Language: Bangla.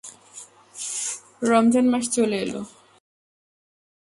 রমজান মাস চলে এলো।